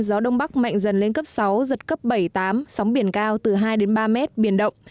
gió đông bắc mạnh dần lên cấp sáu giật cấp bảy tám sóng biển cao từ hai ba mét biển động